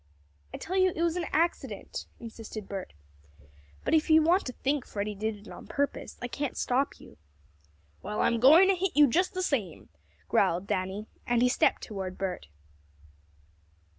"I tell you it was an accident," insisted Bert. "But if you want to think Freddie did it on purpose I can't stop you." "Well, I'm going to hit you just the same," growled Danny, and he stepped toward Bert.